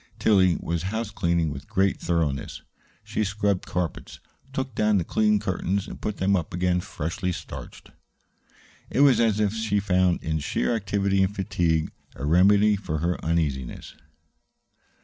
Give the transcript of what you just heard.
Tillie was house cleaning with great thoroughness. She scrubbed carpets, took down the clean curtains, and put them up again freshly starched. It was as if she found in sheer activity and fatigue a remedy for her uneasiness.